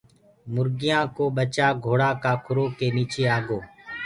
مرگيآ ڪو ٻچآ گھوڙآ ڪآ کُرو نيچي دٻگو۔